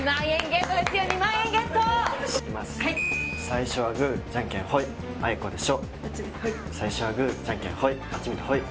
せの最初はグーじゃんけんほいあいこでしょ